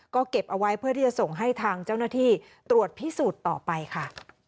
ก็เก็บเอาไว้เพื่อที่จะส่งให้ทางเจ้าหน้าที่ตรวจพิสูจน์ต่อไปค่ะ